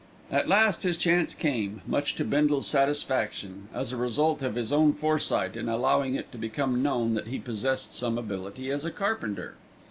At last his chance came, much to Bindle's satisfaction, as a result of his own foresight in allowing it to become known that he possessed some ability as a carpenter.